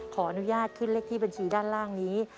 ขออนุญาตขึ้นเลขที่บัญชีด้านล่างนี้